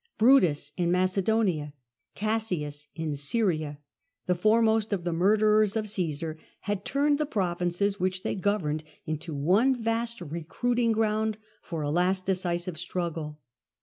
Brutus in Macedonia, Cassius in Syria, the foremost of the murderers of Cassar, had turned the provinces which they governed into one vast recruiting ground for a last decisive struggle.